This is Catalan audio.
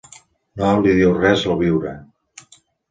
No li diu res el viure.